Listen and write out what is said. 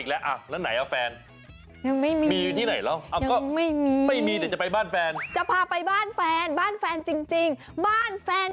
แอบปอบตา